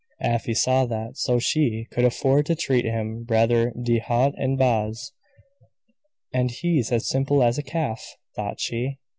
Afy saw that, so she could afford to treat him rather de haut en bas. "And he's as simple as a calf," thought she.